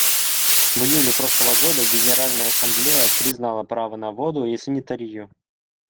В июле прошлого года Генеральная Ассамблея признала право на воду и санитарию.